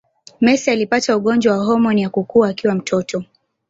Messi alipata ugonjwa wa homoni ya kukua akiwa mtoto